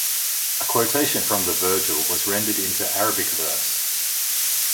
A quotation from the verse of Virgil was rendered into Arabic verse.